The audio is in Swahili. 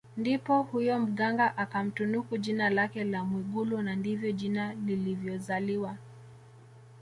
Ndipo huyo Mganga akamtunuku jina lake la Mwigulu na ndivyo jina lilivyozaliwa